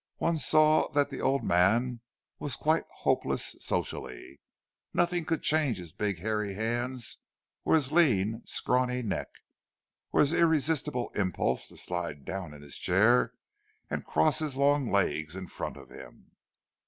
One saw that the old man was quite hopeless socially; nothing could change his big hairy hands or his lean scrawny neck, or his irresistible impulse to slide down in his chair and cross his long legs in front of him.